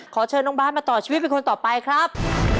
ขอเชิญน้องบาทมาต่อชีวิตเป็นคนต่อไปครับ